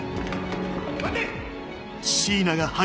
待て！